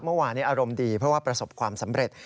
เมื่อวานนี้อารมณ์ดีเพราะว่าประสบความสำเร็จ